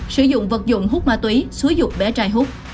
sử dụng vật dụng hút ma túy xúi dục bé trai hút